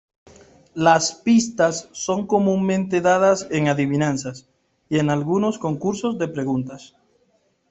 Las pista son comúnmente dadas en adivinanzas, y en algunos concursos de preguntas.